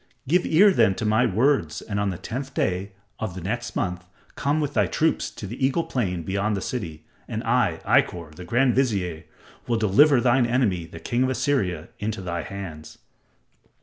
Give ear then to my words and on the tenth day of the next month come with thy troops to the Eagle Plain beyond the city, and I, Ikkor, the grand vizier, will deliver thine enemy, the King of Assyria, into thy hands."